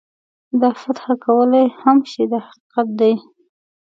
تا فتح کولای هم شي دا حقیقت دی.